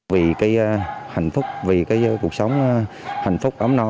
vì cái hạnh phúc vì cái cuộc sống hạnh phúc ấm no